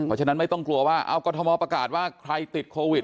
เพราะฉะนั้นไม่ต้องกลัวว่าเอากรทมประกาศว่าใครติดโควิด